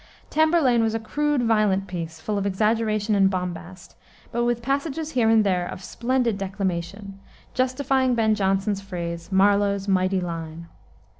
Tamburlaine was a crude, violent piece, full of exaggeration and bombast, but with passages here and there of splendid declamation, justifying Ben Jonson's phrase, "Marlowe's mighty line."